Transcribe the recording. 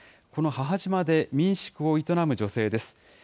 この母島で民宿を営む女性です。